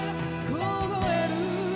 「こごえる